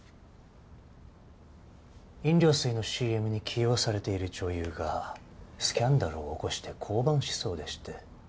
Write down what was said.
飲料水のＣＭに起用されている女優がスキャンダルを起こして降板しそうでして。